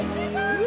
うわ！